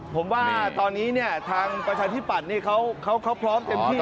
ผมว่าตอนนี้เนี่ยทางประชานที่ปัดเนี่ยเขาพร้อมเต็มที่แล้วล่ะ